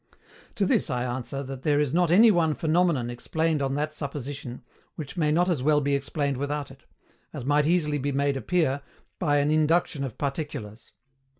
To this I ANSWER that there is not any one PHENOMENON explained on that supposition which may not as well be explained without it, as might easily be made appear by an INDUCTION OF PARTICULARS.